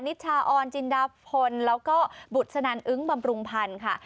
ิชชาออนจินดาพลแล้วก็บุษนันอึ้งบำรุงพันธ์ค่ะ